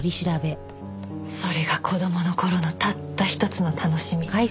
それが子供の頃のたった一つの楽しみ。